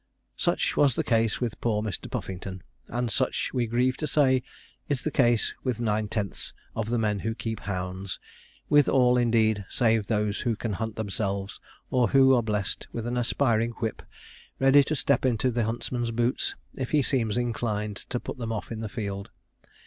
Such was the case with poor Mr. Puffington, and such, we grieve to say, is the case with nine tenths of the men who keep hounds; with all, indeed, save those who can hunt themselves, or who are blest with an aspiring whip, ready to step into the huntsman's boots if he seems inclined to put them off in the field.